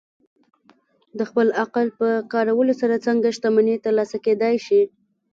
د خپل عقل په کارولو سره څنګه شتمني ترلاسه کېدای شي؟